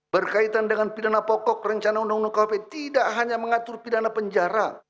berkaitan dengan pidana pokok rencana undang undang kpk tidak hanya mengatur pidana penjara